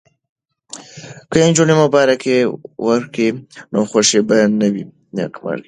که نجونې مبارکي ورکړي نو خوښي به نه وي نیمګړې.